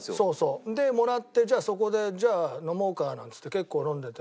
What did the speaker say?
でもらってじゃあそこで飲もうかなんっつって結構飲んでて。